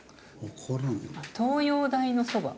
あっ東洋大のそば。